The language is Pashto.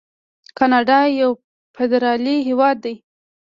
کاناډا یو فدرالي هیواد دی.